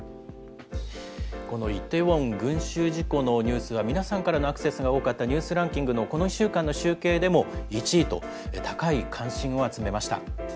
このイテウォン群集事故のニュースは、皆さんからのアクセスが多かったニュースランキングのこの１週間の集計でも１位と、高い関心を集めました。